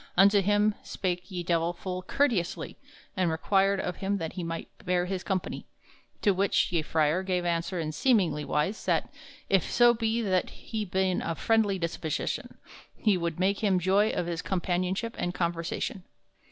Unto him spake ye Divell full courteysely, and required of him that he might bear him company; to which ye frere gave answer in seemly wise, that, if so be that he ben of friendly disposition, he wolde make him joy of his companionship and conversation.